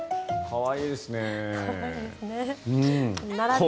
これ、いいですね。